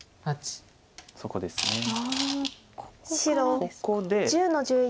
ここで。